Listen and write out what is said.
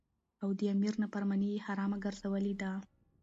او د امیر نافرمانی یی حرامه ګرځولی ده.